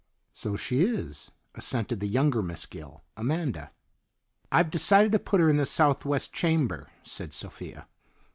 "So she is," assented the younger Miss Gill, Amanda. "I have decided to put her in the southwest chamber," said Sophia.